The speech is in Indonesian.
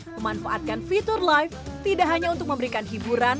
memanfaatkan fitur live tidak hanya untuk memberikan hiburan